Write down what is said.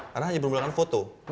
karena hanya perbulanan foto